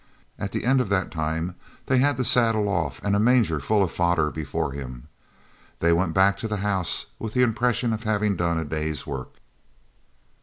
At the end of that time they had the saddle off and a manger full of fodder before him. They went back to the house with the impression of having done a day's work.